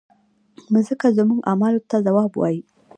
مځکه زموږ اعمالو ته ځواب وایي.